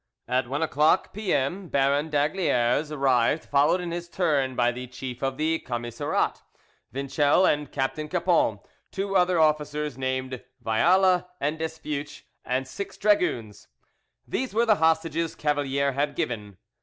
At one o'clock P. M. Baron d'Aygaliers arrived, followed in his turn by the chief of the commissariat, Vincel, by Captain Cappon, two other officers named Viala and Despuech, and six dragoons. These were the hostages Cavalier had given.